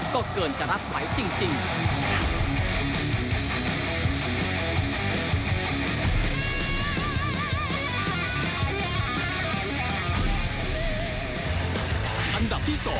ก็เกินจะรับไหวจริง